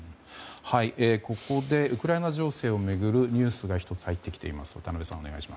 ここで、ウクライナ情勢を巡るニュースが１つ入ってきています。